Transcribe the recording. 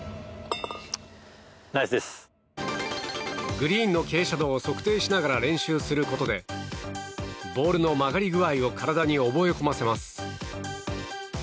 グリーンの傾斜度を測定しながら練習することでボールの曲がり具合を体に覚え込ませます。